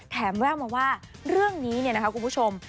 แถมแว่งมาว่าเรื่องนี้นะคะคุณผู้ชม